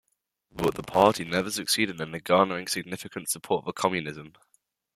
But the party never succeeded in garnering significant support for communism.